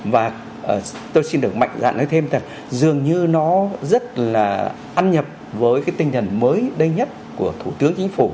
và tôi xin được mạnh dạn nói thêm là dường như nó rất là ăn nhập với cái tinh thần mới đây nhất của thủ tướng chính phủ